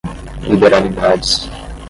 liberalidades